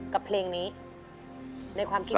กับเพลงนี้